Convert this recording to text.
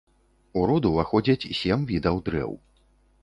У род уваходзяць сем відаў дрэў.